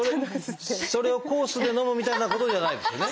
それをコースで飲むみたいなことじゃないですよね。